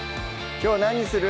きょう何にする？